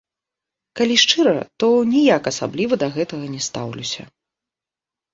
Калі шчыра, то ніяк асабліва да гэтага не стаўлюся.